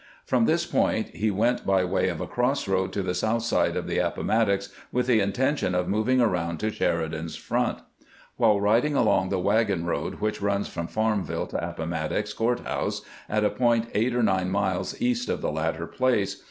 From this point he went by way of a cross road to the south side of the Appomattox, with the intention of moving arpund to Sheridan's front. While riding along the wagon road which runs from Farmville to Appomattox Court house, at a point eight or nine miles east of the latter place.